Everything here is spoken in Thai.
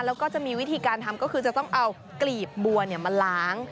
แล้วก็จะมีวิธีการทำก็คือจะต้องเอากลีบบัวมาล้าง